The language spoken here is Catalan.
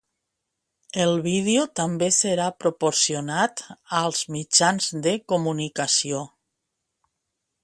El vídeo també serà proporcionat als mitjans de comunicació.